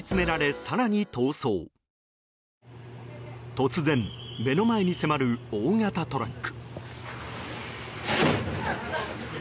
突然、目の前に迫る大型トラック。